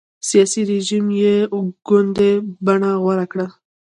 سیاسي رژیم یې یو ګوندي بڼه غوره کړه.